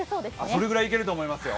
それぐらいいけると思いますよ。